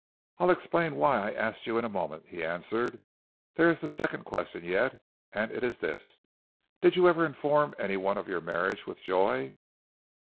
"I'll explain why I asked you in a moment," he answered. "There is the second question yet; and it is this, did you ever inform any one of your marriage with Joy?"